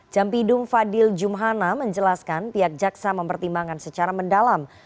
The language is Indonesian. jampidung fadil jumhana menjelaskan pihak jaksa mempertimbangkan secara mendalam